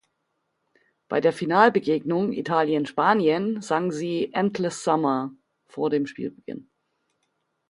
Bei der Finalbegegnung, Italien-Spanien, sang sie "Endless Summer" vor dem Spielbeginn.